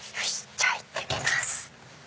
じゃあ行ってみます。